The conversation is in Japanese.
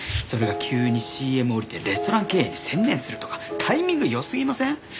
それが急にＣＭ降りてレストラン経営に専念するとかタイミング良すぎません？